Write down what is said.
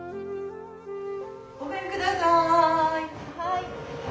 ごめんください。